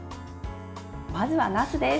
まずは、なすです。